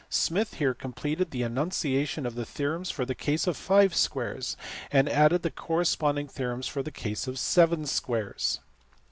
Smith here completed the enunciation of the theorems for the case of five squares, and added the corresponding theorems for the case of seven squares.